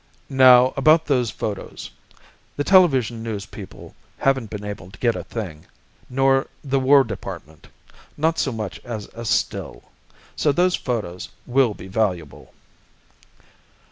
"Now, about those photos. The Television News people haven't been able to get a thing, nor the War Department not so much as a still. So those photos will be valuable."